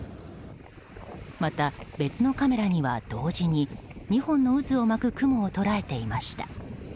また、別のカメラには同時に２本の渦を巻く雲を捉えていました。